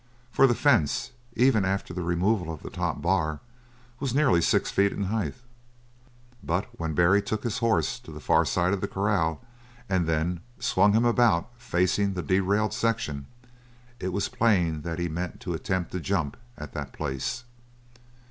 For the fence, even after the removal of the top bar, was nearly six feet in height. But when Barry took his horse to the far side of the corral and then swung him about facing the derailed section, it was plain that he meant to attempt to jump at that place.